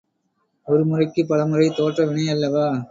ஒரு முறைக்குப் பல முறை தோற்ற வினையல்லவா?